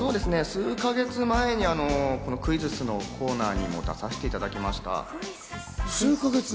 数か月前にクイズッスのコーナーにも出させていただきました。